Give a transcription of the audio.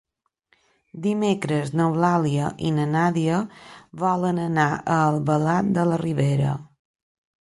Dimecres n'Eulàlia i na Nàdia volen anar a Albalat de la Ribera.